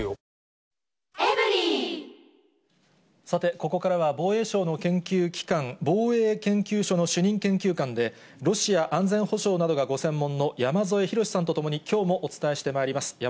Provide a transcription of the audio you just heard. さて、ここからは防衛省の研究機関、防衛研究所の主任研究官で、ロシア安全保障などがご専門の山添博史さんと共に、きょうもお伝えしてまいります。